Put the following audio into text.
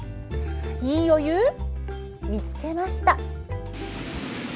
「＃いいお湯見つけました」。